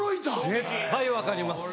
絶対分かります。